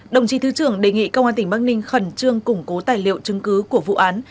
đồng chí thứ trưởng đề nghị công an tỉnh bắc ninh khẩn trương củng cố tài liệu chứng cứ của vụ án